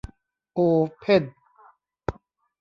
โอเพ่น